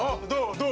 どう？